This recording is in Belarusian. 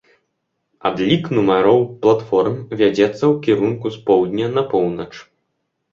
Адлік нумароў платформ вядзецца ў кірунку з поўдня на поўнач.